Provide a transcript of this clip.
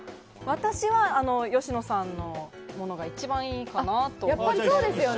私は吉野さんのものが一番いいかなと思って。